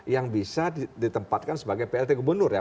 yang bisa ditempatkan sebagai plt gubernur ya